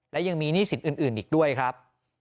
และยังมีหนี้สินอื่นอีกด้วยครับ